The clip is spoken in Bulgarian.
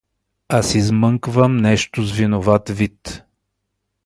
Аз измънквам нещо с виноват вид.